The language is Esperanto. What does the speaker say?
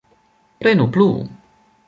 Prenu plu.